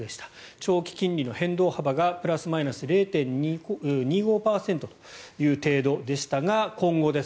長期金利の変動幅がプラスマイナス０．２５％という程度でしたが今後です。